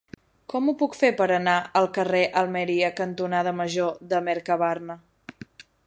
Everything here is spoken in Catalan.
Com ho puc fer per anar al carrer Almeria cantonada Major de Mercabarna?